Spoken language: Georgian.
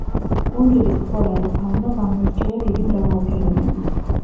კუნძულის ფლორა და ფაუნა გამოირჩევა დიდი მრავალფეროვნებით.